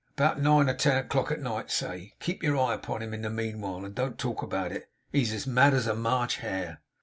About nine or ten o'clock at night, say. Keep your eye upon him in the meanwhile, and don't talk about it. He's as mad as a March hare!